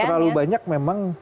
tapi terlalu banyak memang